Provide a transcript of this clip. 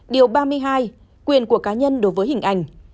điều ba mươi hai quyền của cá nhân đối với hình ảnh